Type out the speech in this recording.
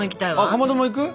かまども行く？